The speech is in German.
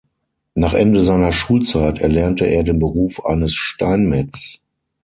Nach Ende seiner Schulzeit erlernte er den Beruf eines Steinmetz.